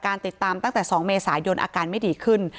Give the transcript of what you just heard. ติดตามตั้งแต่๒เมษายนอาการไม่ดีขึ้น